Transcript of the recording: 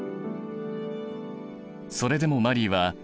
それでもマリーは